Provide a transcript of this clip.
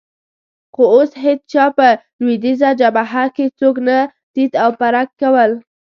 خو اوس هېڅ چا په لوېدیځه جبهه کې څوک نه تیت او پرک کول.